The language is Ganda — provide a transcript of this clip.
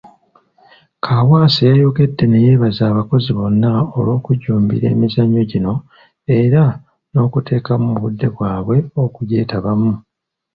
Kawaase yayongedde neyebaza abakozi bonna olw'okujjumbira emizannyo gino era n'okuteekamu obudde bwabwe okugyetabamu.